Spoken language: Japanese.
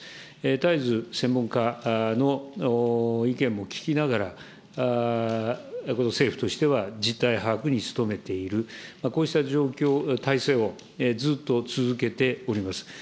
絶えず専門家の意見も聞きながら、この政府としては、実態把握に努めている、こうした状況、体制をずっと続けております。